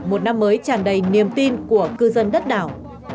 một năm mới tràn đầy niềm tin của cư dân đất đảo